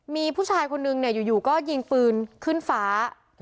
มีผู้ชายคนนึงเนี่ยอยู่อยู่ก็ยิงปืนขึ้นฝา